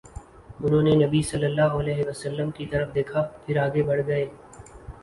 انھوں نے نبی صلی اللہ علیہ وسلم کی طرف دیکھا، پھر آگے بڑھ گئے